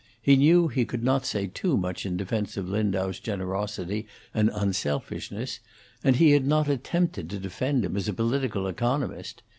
He knew he could not say too much in defence of Lindau's generosity and unselfishness, and he had not attempted to defend him as a political economist.